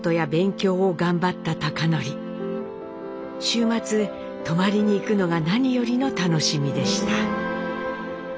週末泊まりに行くのが何よりの楽しみでした。